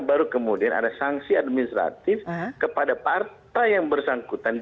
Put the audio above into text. baru kemudian ada sanksi administratif kepada partai yang bersangkutan